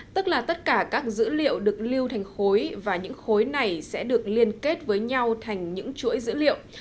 tức là tất cả các dữ liệu được lưu thành khối và những khối này sẽ được liên kết với nhau thành những chuỗi dữ liệu